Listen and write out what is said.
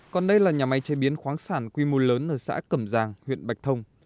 còn đây là nhà máy chế biến khoáng sản quy mô lớn ở xã cẩm giang huyện bạch thông